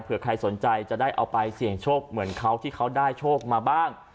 เพื่อใครสนใจจะได้เอาไปเสี่ยงโชคเหมือนเขาที่เขาได้โชคมาบ้าง